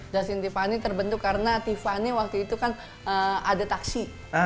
dasin tiffany terbentuk karena tiffany waktu itu kan ada taksi